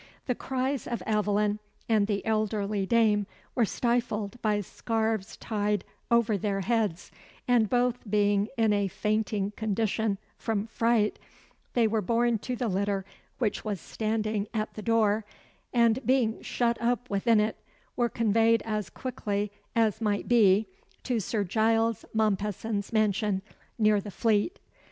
The cries of Aveline and the elderly dame were stifled by scarves tied over their heads; and both being in a fainting condition from fright, they were borne to the litter which was standing at the door, and being shut up within it, were conveyed as quickly as might be to Sir Giles Mompesson's mansion, near the Fleet.